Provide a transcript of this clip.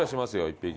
１匹！